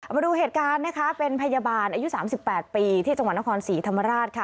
มาดูเหตุการณ์นะคะเป็นพยาบาลอายุ๓๘ปีที่จังหวัดนครศรีธรรมราชค่ะ